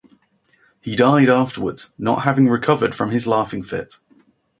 He died afterwards, not having recovered from his laughing fit.